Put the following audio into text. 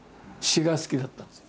詩が好きだったんです。